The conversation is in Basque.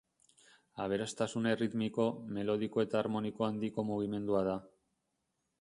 Aberastasun erritmiko, melodiko eta harmoniko handiko mugimendua da.